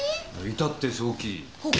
いたって正気。